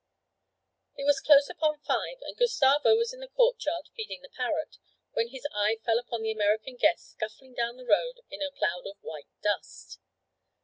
It was close upon five, and Gustavo was in the courtyard feeding the parrot, when his eye fell upon the American guest scuffling down the road in a cloud of white dust.